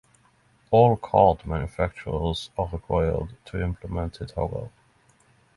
All card manufacturers are required to implement it however.